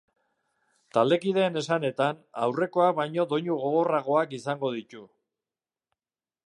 Taldekideen esanetan, aurrekoak baino doinu gogorragoak izango ditu.